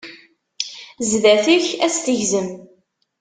Zdat-k ad tt-tegzem.